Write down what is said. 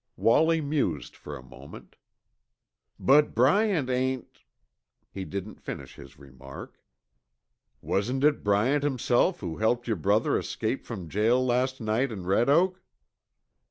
Wallie mused for a moment. "But Bryant ain't " He didn't finish his remark. "Wasn't it Bryant himself who helped your brother escape from jail last night in Red Oak?"